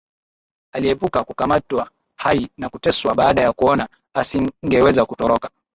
Aliepuka kukamatwa hai na kuteswa baada ya kuona asingeweza kutoroka